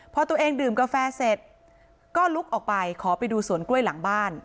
พอตัวเองดื่มกาแฟเสร็จก็ลุกออกไปขอไปดูสวนกล้วยหลังบ้าน